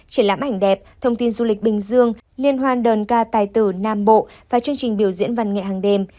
triển lãm ảnh đẹp thông tin du lịch bình dương liên hoan đờn ca tài tử nam bộ và chương trình biểu diễn văn nghệ hàng đêm